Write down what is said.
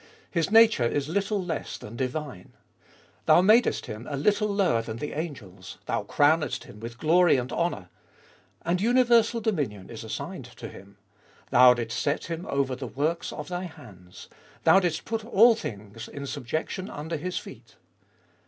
His nature is little less than divine. Thou madest Him a little lower than the angels ; Thou crownedst him with glory and honour. And universal dominion is assigned to Him. Thou didst set him over the works of thy hands. Thou didst put all things in subjection under his feet.